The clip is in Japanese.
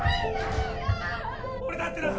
俺だってな